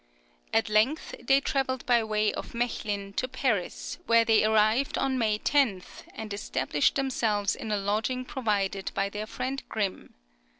At length they travelled by way of Mechlin to Paris, where they arrived on May 10, and established themselves in a lodging provided by their friend Grimm.